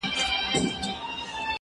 زه به سينه سپين کړی وي.